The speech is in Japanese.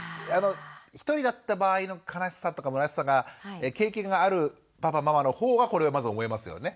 ひとりだった場合の悲しさとかむなしさが経験があるパパママのほうがこれをまず思いますよね。